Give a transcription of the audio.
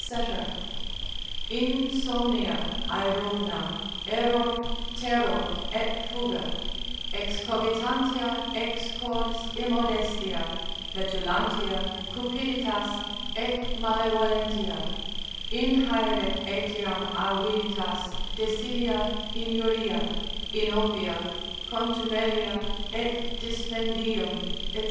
Insomnia, aerumna, error, terror, et fuga, Excogitantia excors immodestia, Petulantia, cupiditas, et malevolentia; Inhaeret etiam aviditas, desidia, injuria, Inopia, contumelia et dispendium, &c.